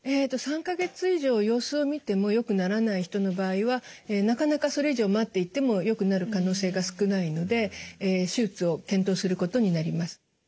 ３か月以上様子を見てもよくならない人の場合はなかなかそれ以上待っていてもよくなる可能性が少ないので手術を検討することになります。